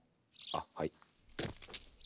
あっはい。